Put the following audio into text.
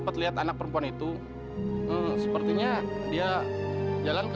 kita akan mencari penjualan